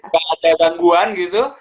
gak ada bangguan gitu